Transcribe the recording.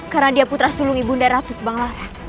karena dia putra sulung ibu dari ratus bang lara